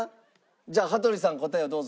じゃあ羽鳥さん答えをどうぞ。